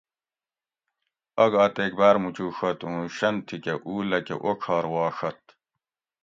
آگہ اتیک باۤر موچوڛت ھوں شن تھی کہ او لکہ اوڄھار واشت